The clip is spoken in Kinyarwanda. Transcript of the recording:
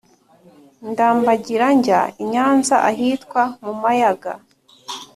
Ndambagira njya i Nyanza ahitwa mu mayaga